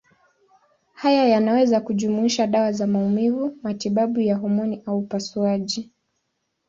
Haya yanaweza kujumuisha dawa za maumivu, matibabu ya homoni au upasuaji.